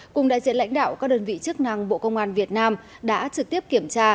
cùng đại diện lãnh đạo các đơn vị chức năng bộ công an việt nam đã trực tiếp kiểm tra